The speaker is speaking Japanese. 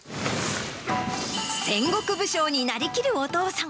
戦国武将になりきるお父さん。